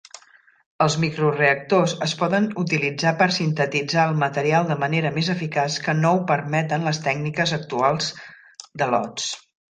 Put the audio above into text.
Els microreactors es poden utilitzar per sintetitzar el material de manera més eficaç que no ho permeten les tècniques actuals de lots.